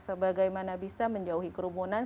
sebagaimana bisa menjauhi kerumunan